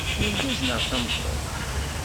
D argaz neɣ d tameṭṭut?